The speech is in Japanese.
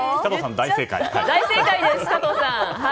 大正解です、加藤さん。